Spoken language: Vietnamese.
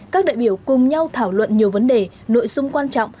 các đại biểu cùng nhau thảo luận nhiều vấn đề nội dung quan trọng